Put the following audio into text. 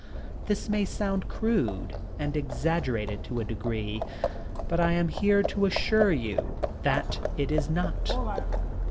This may sound crude and exaggerated to a degree but I am here to assure you that it is not.